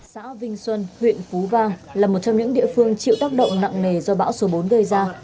xã vinh xuân huyện phú vang là một trong những địa phương chịu tác động nặng nề do bão số bốn gây ra